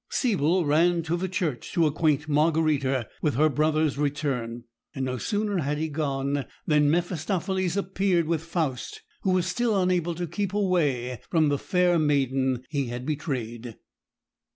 Siebel ran to the church to acquaint Margarita with her brother's return; and no sooner had he gone than Mephistopheles appeared with Faust, who was still unable to keep away from the fair maiden he had betrayed.